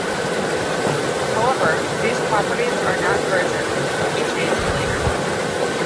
However, these properties are not versioned and can be changed later.